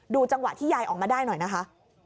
จังหวะที่ยายออกมาได้หน่อยนะคะ